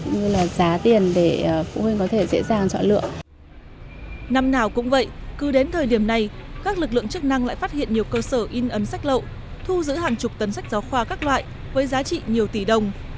năm nào cũng vậy cứ đến thời điểm này các lực lượng chức năng lại phát hiện nhiều cơ sở in ấn sách lậu thu giữ hàng chục tấn sách giáo khoa các loại với giá trị nhiều tỷ đồng